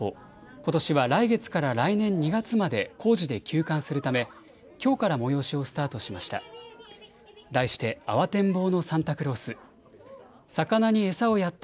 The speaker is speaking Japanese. ことしは来月から来年２月まで工事で休館するためきょうから催しをスタートしました。